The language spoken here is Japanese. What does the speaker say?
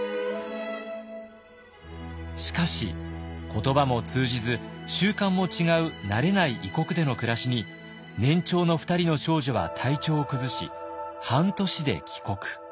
しかし言葉も通じず習慣も違う慣れない異国での暮らしに年長の２人の少女は体調を崩し半年で帰国。